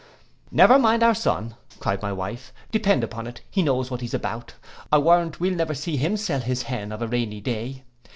—'Never mind our son,' cried my wife, 'depend upon it he knows what he is about. I'll warrant we'll never see him sell his hen of a rainy day.